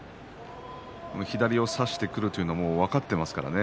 左を差してくるというのは分かっていましたね